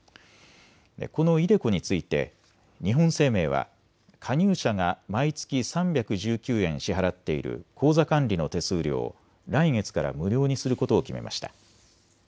このｉＤｅＣｏについて日本生命は加入者が毎月３１９円支払っている口座管理の手数料を来月から無料にすることを決めました。